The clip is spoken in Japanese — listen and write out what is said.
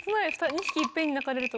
２匹いっぺんに鳴かれると。